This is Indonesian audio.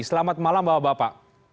selamat malam bapak bapak